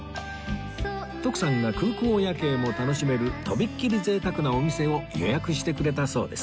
徳さんが空港夜景も楽しめるとびっきり贅沢なお店を予約してくれたそうです